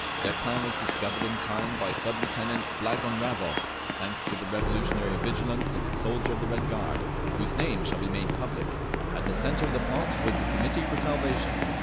Their plan was discovered in time by Sub Lieutenant Blagonravov, thanks to the revolutionary vigilance of a soldier of the Red Guard, whose name shall be made public. At the centre of the plot was the Committee for Salvation.